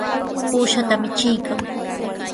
Uushanta michiykan.